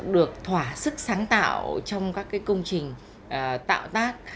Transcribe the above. được thỏa sức sáng tạo trong các công trình tạo tác